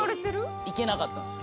行けなかったんです。